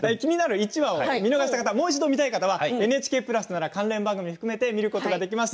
１話を見逃した方もう一度見たい方はＮＨＫプラスなら関連も含めて見ることができます。